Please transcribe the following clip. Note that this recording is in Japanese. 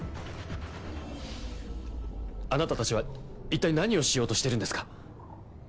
あなたたちは一体何をしようとしてるんですか？